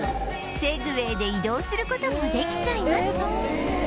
セグウェイで移動する事もできちゃいます